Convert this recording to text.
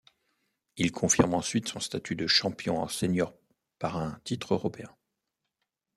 Il confirme ensuite son statut de champion en senior par un titre Européen.